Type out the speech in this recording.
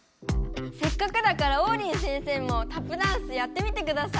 せっかくだからオウリン先生もタップダンスやってみてください。